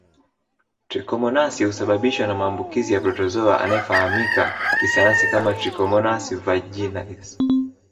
Trikomonasi husababishwa na maambukizi ya protozoa anayefahamika kisayansi kama trichomonas vaginalis